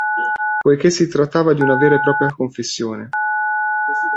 Poiché si trattava di una vera e propria confessione.